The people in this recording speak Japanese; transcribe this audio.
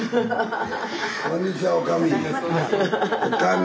こんにちはおかみ。